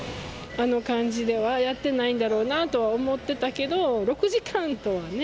あの感じではやってないんだろうなと思ってたけど、６時間とはね。